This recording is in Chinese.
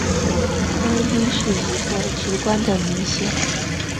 更衣是一个职官的名衔。